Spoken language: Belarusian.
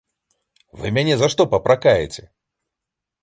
Вы мяне за што папракаеце?